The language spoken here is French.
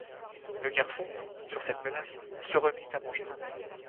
Le garçon, sur cette menace, se remit à manger.